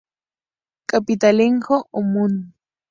Capitanejo ó Mun.